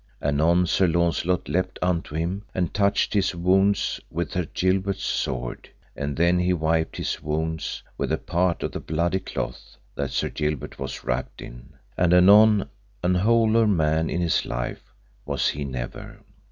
Anon Sir Launcelot leapt unto him and touched his wounds with Sir Gilbert's sword. And then he wiped his wounds with a part of the bloody cloth that Sir Gilbert was wrapped in, and anon an wholer man in his life was he never.